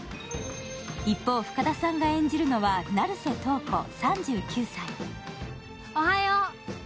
一方、深田さんが演じるのは成瀬瞳子３９歳。